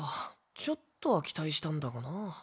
ちょっとは期待したんだがなぁ。